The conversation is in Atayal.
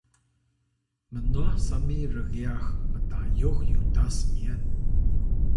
mnwah sami rgyax mtayux yutas myan